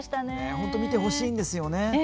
本当に見てほしいんですよね。